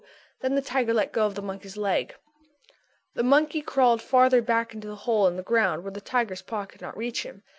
Then the tiger let go of the monkey's leg. The monkey crawled farther back into the hole in the ground where the tiger's paw could not reach him.